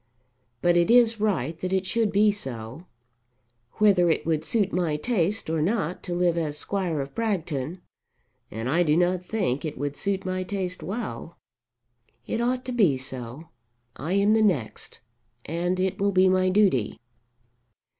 But it is right that it should be so. Whether it would suit my taste or not to live as Squire of Bragton, and I do not think it would suit my taste well, it ought to be so. I am the next, and it will be my duty."